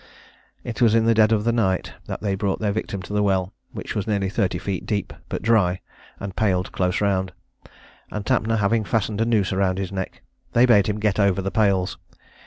It was in the dead of the night that they brought their victim to the well, which was nearly thirty feet deep, but dry, and paled close round; and Tapner having fastened a noose round his neck, they bade him get over the pales.